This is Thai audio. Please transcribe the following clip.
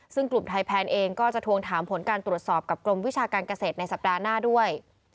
ซึ่งกลุ่มไทยแพนเองก็จะทวงถามผลการตรวจสอบกับกรมวิชาการเกษตรในสัปดาห์หน้าด้วย